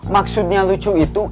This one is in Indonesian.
maksudnya lucu itu